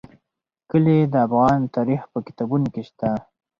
کلي د افغان تاریخ په کتابونو کې شته.